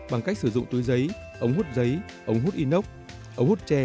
bằng cách sử dụng túi giấy ống hút giấy ống hút inox ống hút tre